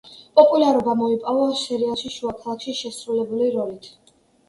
პოპულარობა მოიპოვა სერიალში „შუა ქალაქში“ შესრულებული როლით.